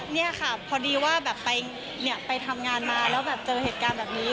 นี่ค่ะพอดีว่าแบบไปทำงานมาแล้วแบบเจอเหตุการณ์แบบนี้